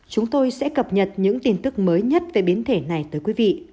chúng tôi sẽ cập nhật những tin tức mới nhất về biến thể này tới quý vị